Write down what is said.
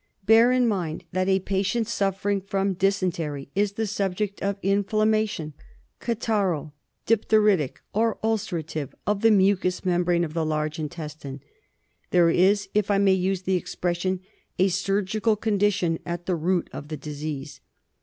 Bear in mind that a patient suffering from Dysentery is the subject of inflammation — catarrhal, diptheritic, or ulcerative of the mucous membrane of the large intestine. There is, if I may use the expression, a surgical condition at the root of the disease.